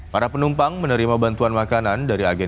para penumpang menerima bantuan makanan dari agen